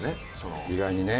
意外にね。